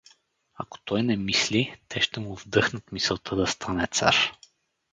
Ако той не мисли — те ще му вдъхнат мисълта да стане цар.